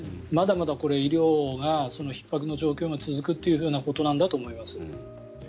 まだまだ医療がひっ迫の状況が続くということだと思います。